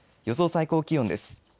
予想最高気温です。